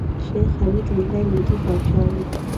شېخ حمید لومړی لودي پاچا وو.